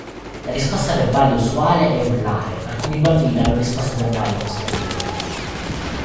La risposta verbale usuale è urlare, alcuni bambini danno risposte verbali in questo periodo.